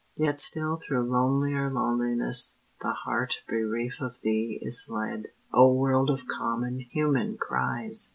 Yet still through lonelier loneliness, the heart Bereft of Thee, is led. O world of common, human cries!